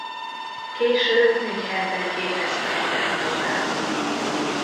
Később Münchenben képezte magát tovább.